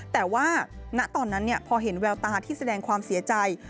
แต่ว่าณตอนนั้นพอเห็นแววตาที่แสดงความเสียใจ